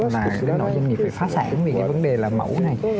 là đến nỗi doanh nghiệp phải phá sản vì cái vấn đề là mẫu này